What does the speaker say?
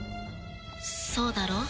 そうだろう？